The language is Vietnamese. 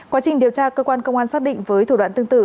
quá trình điều tra cơ quan công an xác định với thủ đoạn tương tự